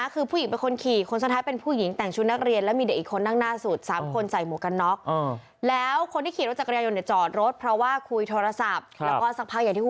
แล้วคนที่ขี้รถจักรยานยนต์เนี่ยจอดเพราะว่าคุยโทรศัพท์